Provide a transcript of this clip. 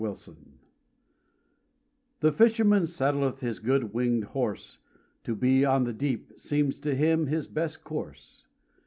THE FISHER The fisherman saddleth his good winged horse, To be on the deep seems to him his best course.